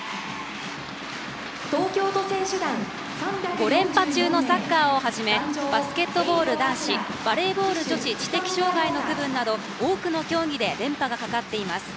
５連覇中のサッカーをはじめバスケットボール男子バレーボール女子知的障害の区分など多くの競技で連覇がかかっています。